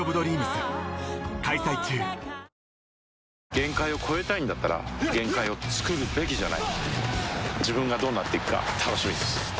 限界を越えたいんだったら限界をつくるべきじゃない自分がどうなっていくか楽しみです